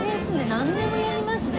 なんでもやりますね。